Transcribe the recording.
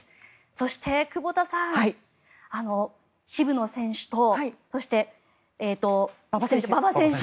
そして、久保田さん渋野選手と、そして馬場選手